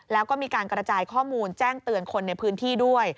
แล้วก็มีการกระจายข้อมูลแจ้งเตือนคนในพื้นที่ด้วย